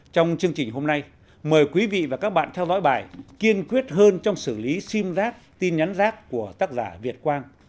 trong chương trình hôm nay mời quý vị và các bạn theo dõi bài kiên quyết hơn trong xử lý sim giác tin nhắn rác của tác giả việt quang